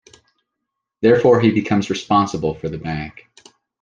Therefore, he becomes responsible for the bank.